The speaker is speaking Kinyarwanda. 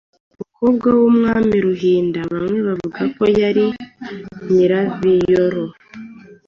Uwo mukobwa w’umwami Ruhinda bamwe bavuga ko yaba ari Nyirabiyoro